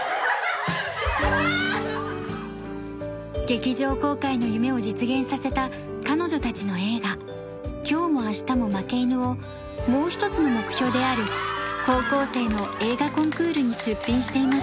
劇場公開の夢を実現させた彼女たちの映画『今日も明日も負け犬。』をもう一つの目標である高校生の映画コンクールに出品していました。